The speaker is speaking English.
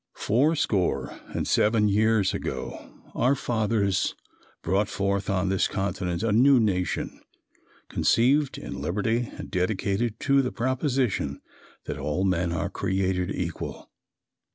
"Four score and seven years ago, our fathers brought forth on this continent a new nation conceived in liberty and dedicated to the proposition that all men are created equal.